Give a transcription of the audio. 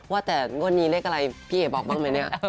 ว่าแต่งวดนี้เลขอะไรพี่เอ๋บอกบ้างไหมเนี่ย